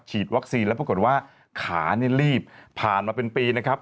ฉีดวัคซีนแล้วปรากฏว่าขานี่รีบผ่านมาเป็นปีนะครับ